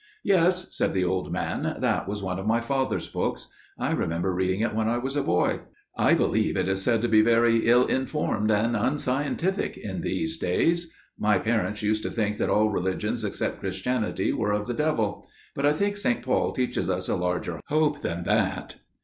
"Yes," said the old man, "that was one of my father's books. I remember reading it when I was a boy. I believe it is said to be very ill informed and unscientific in these days. My parents used to think that all religions except Christianity were of the devil. But I think St. Paul teaches us a larger hope than that."